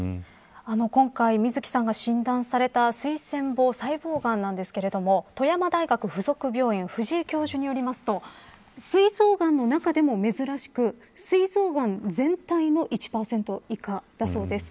今回、みずきさんが診断されたすい腺房細胞がんなんですけど富山大学附属病院藤井教授によりますとすい臓がんの中でも珍しく膵臓がん全体の１％以下だそうです。